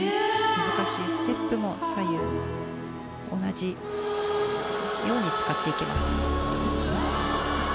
難しいステップも左右同じように使っていけます。